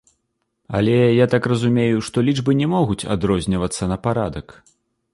Але, я так разумею, што лічбы не могуць адрознівацца на парадак.